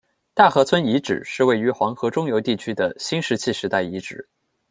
大河村遗址是位于黄河中游地区的新石器时代遗址。